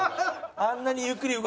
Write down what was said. あんなゆっくり。